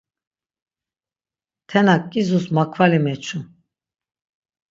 Tenak ǩizus makvali meçu.